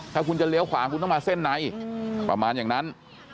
ถ้าคุณจะเลี้ยวขวาคุณต้องมาเส้นในประมาณอย่างนั้น